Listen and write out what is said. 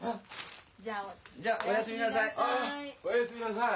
じゃあおやすみなさい。